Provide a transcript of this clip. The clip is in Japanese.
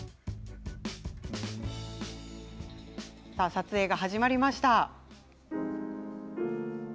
撮影が始まりました。